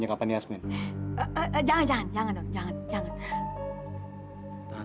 saya melihat dan dengar langsung